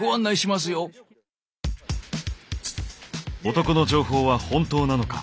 男の情報は本当なのか？